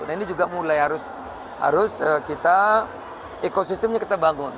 nah ini juga mulai harus kita ekosistemnya kita bangun